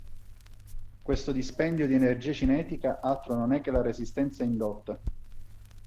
Questo dispendio di energia cinetica altro non è che la resistenza indotta.